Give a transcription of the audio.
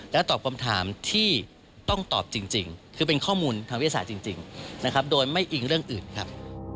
และตอบคำถามที่ต้องตอบจริงคือเป็นข้อมูลทางวิทยาศาสตร์จริงนะครับโดยไม่อิงเรื่องอื่นครับ